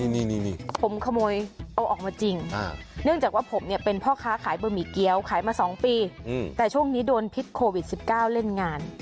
นี่ผมขโมยเอาออกมาจริงเนื่องจากว่าผมเนี่ยเป็นพ่อค้าขายบะหมี่เกี้ยวขายมา๒ปีแต่ช่วงนี้โดนพิษโควิด๑๙เล่นงาน